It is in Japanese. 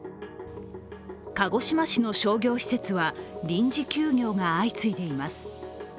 鹿児島市の商業施設は臨時休業が相次いでいます。